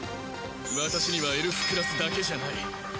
私にはエルフクラスだけじゃない。